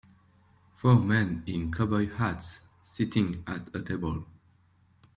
Four men in cowboy hats sitting at a table.